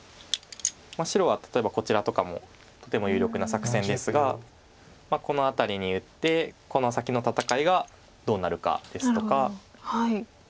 白は例えばこちらとかもとても有力な作戦ですがこの辺りに打ってこの先の戦いがどうなるかですとか。